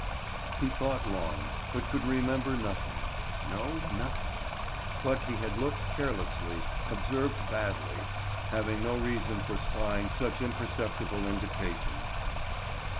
He thought long, but could remember nothing; no, nothing. But he had looked carelessly, observed badly, having no reason for spying such imperceptible indications.